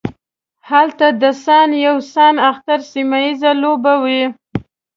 هلته د سان یو سان اختر سیمه ییزې لوبې وې.